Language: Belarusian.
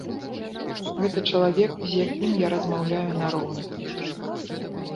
Гэта чалавек, з якім я размаўляю на роўных.